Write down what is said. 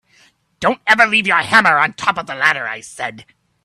Don’t ever leave your hammer on the top of the ladder, I said.